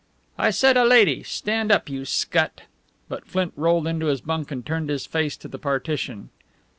"I said a lady! Stand up, you scut!" But Flint rolled into his bunk and turned his face to the partition.